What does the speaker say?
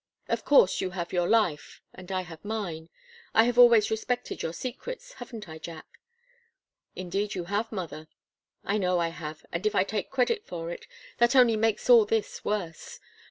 Of course you have your life, and I have mine. I have always respected your secrets, haven't I, Jack?" "Indeed you have, mother." "I know I have, and if I take credit for it, that only makes all this worse.